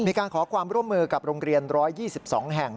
มีการขอความร่วมมือกับโรงเรียน๑๒๒แห่ง